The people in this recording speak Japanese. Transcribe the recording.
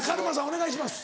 お願いします。